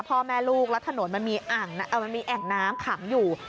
พ่อแม่ลูกแล้วถนนมันมีแอ่งน้ำขังอยู่